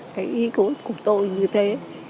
cái ý của tôi như thế